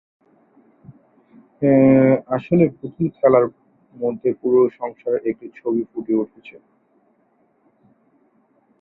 আসলে পুতুল খেলার মধ্যে পুরো সংসারের একটা ছবি ফুটে ওঠে।